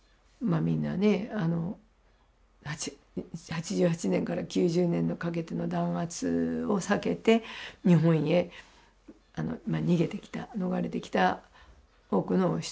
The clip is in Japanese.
みんなね８８年から９０年にかけての弾圧を避けて日本へ逃げてきた逃れてきた多くの人はそういう経緯を持ってると。